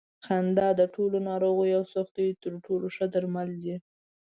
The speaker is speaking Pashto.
خندا د ټولو ناروغیو او سختیو تر ټولو ښه درمل دي.